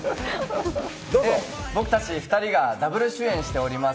僕たち２人がダブル主演しております